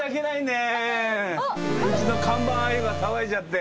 うちの看板あゆが騒いじゃって。